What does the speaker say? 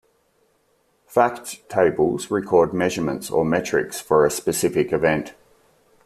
Fact tables record measurements or metrics for a specific event.